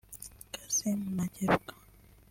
Kassim Ntageruka